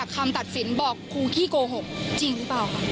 แล้วมันตัดสินบอกคู่คี่โกหกจริงหรือเปล่าครับ